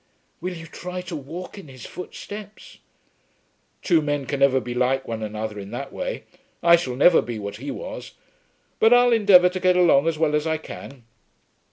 "Will you try to walk in his footsteps?" "Two men can never be like one another in that way. I shall never be what he was. But I'll endeavour to get along as well as I can."